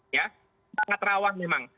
sangat rawan memang